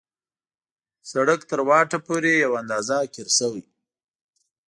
سړک تر وټه پورې یو اندازه قیر شوی.